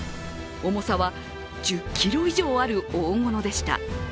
重さは１０ｋｇ以上ある大物でした。